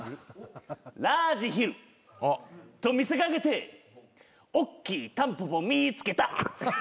ラージヒルと見せ掛けておっきいタンポポ見つけた。